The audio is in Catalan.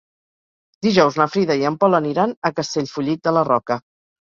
Dijous na Frida i en Pol aniran a Castellfollit de la Roca.